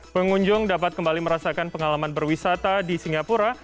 pengunjung dapat kembali merasakan pengalaman berwisata di singapura